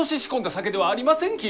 酒ではありませんき！